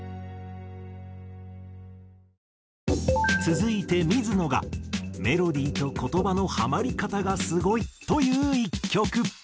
続いて水野が「メロディーと言葉のハマり方がすごい」と言う１曲。